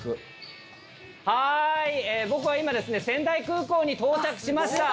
はい僕は今ですね仙台空港に到着しました。